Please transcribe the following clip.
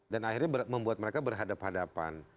dan akhirnya membuat mereka berhadapan hadapan